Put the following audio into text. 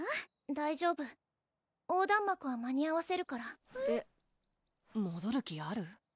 大丈夫横断幕は間に合わせるからえっもどる気ある？